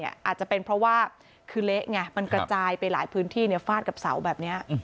อาจจะเป็นเพราะว่าคือเละไงมันกระจายไปหลายพื้นที่ฟาดกับเสาแบบนี้